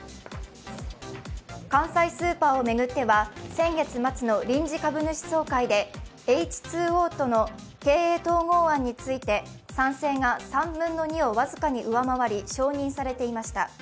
関西スーパーを巡っては先月末の臨時株主総会でエイチ・ツー・オーとの経営統合案について賛成が３分の２を僅かに上回り、承認されていました。